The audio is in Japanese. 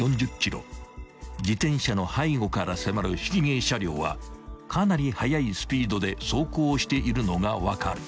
［自転車の背後から迫るひき逃げ車両はかなり速いスピードで走行しているのが分かる］